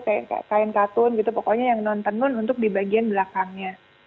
kayak kain katun gitu pokoknya yang non tenun untuk di bagian belakangnya